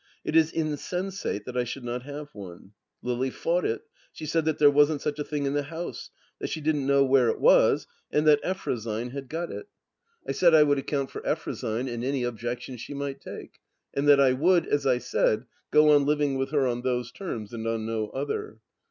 It is insensate that I should not have one. Lily fought it. She said that there wasn't such a thing in the house, that she didn't know where it was, and that Effrosyne had got it. THE LAST DITCH 225 I said I would account for Eftrosyne and any objections she might take. And that I would, as I said, go on livmg with her on those terms and on no other.